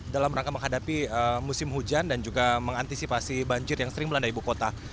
dalam rangka menghadapi musim hujan dan juga mengantisipasi banjir yang sering melanda ibu kota